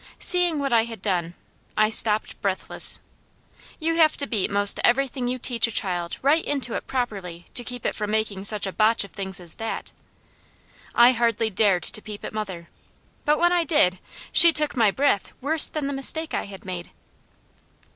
Seeing what I had done, I stopped breathless. You have to beat most everything you teach a child right into it properly to keep it from making such a botch of things as that. I hardly dared to peep at mother, but when I did, she took my breath worse than the mistake I had made.